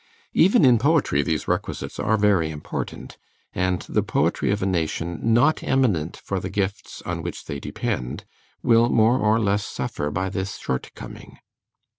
Even in poetry these requisites are very important; and the poetry of a nation not eminent for the gifts on which they depend, will more or less suffer by this shortcoming.